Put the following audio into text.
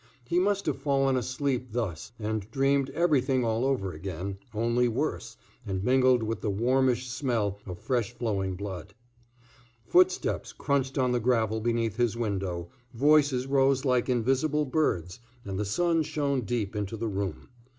He must have fallen asleep thus and dreamed everything over again, only worse and mingled with the warmish smell of fresh flowing blood. Footsteps crunched on the gravel beneath his window, voices rose like invisible birds, and the sun shone deep into the room.